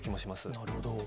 なるほど。